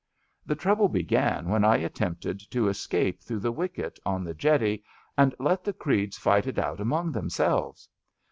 The trouble began when I attempted to escape through the wicket on the jetty and let the creeds fight it out among themselves.